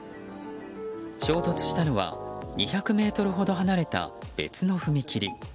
衝突したのは２００ｍほど離れた別の踏切。